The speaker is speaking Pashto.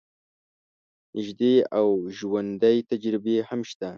نژدې او ژوندۍ تجربې هم شته.